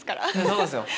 そうですよ。